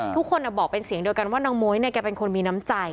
ทุกคนบอกเป็นเสียงเดียวกันว่านางม้วยเนี่ยแกเป็นคนมีน้ำใจ